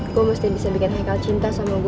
gue mesti bisa bikin haikal cinta sama gue